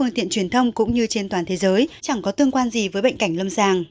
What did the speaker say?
truyền thông cũng như trên toàn thế giới chẳng có tương quan gì với bệnh cảnh lâm sàng